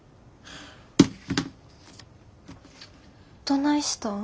どないしたん？